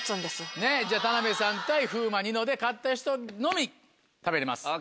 じゃあ田辺さん対風磨ニノで勝った人のみ食べれます。